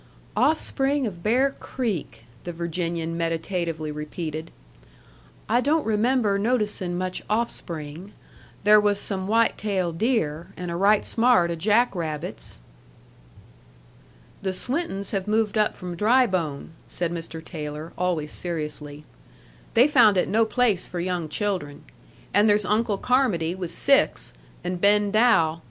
"Offspring of Bear Creek," the Virginian meditatively repeated. "I don't remember noticin' much offspring. There was some white tail deer, and a right smart o' jack rabbits." "The Swintons have moved up from Drybone," said Mr. Taylor, always seriously. "They found it no place for young children. And there's Uncle Carmody with six, and Ben Dow.